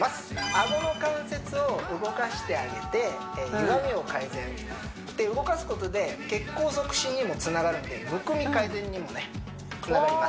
アゴの関節を動かしてあげてゆがみを改善で動かすことで血行促進にもつながるのでむくみ改善にもねつながります